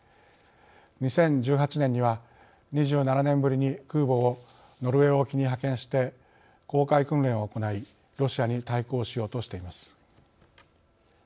２０１８年には２７年ぶりに空母をノルウェー沖に派遣して航海訓練を行いロシアに対抗しようとしています。